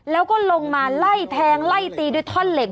แล้วก็ลงมาไล่แทงไล่ตีด้วยท่อนเหล็ก